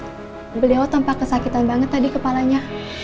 tapi beliau tampak kesakitan banget tadi kepalanya